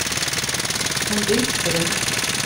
Anda ay tt-ffrent?